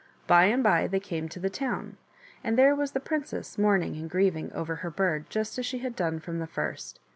By and by they came to the town, and there was the princess mourning and grieving over her bird just as she had done from the first.